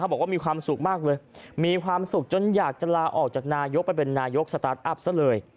บอกว่ามีความสุขมากเลยมีความสุขจนอยากจะลาออกจากนายกไปเป็นนายกสตาร์ทอัพซะเลย